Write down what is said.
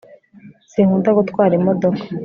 sinkunda gutwara imodoka